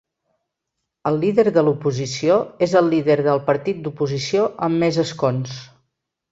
El líder de l'oposició és el líder del partit d'oposició amb més escons.